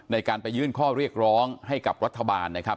ในการไปยื่นข้อเรียกร้องให้กับรัฐบาลนะครับ